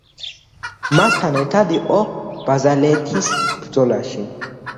მასთან ერთად იყო ბაზალეთის ბრძოლაში.